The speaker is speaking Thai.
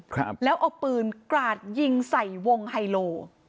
ครับแล้วเอาปืนกราดยิงใส่วงไฮโล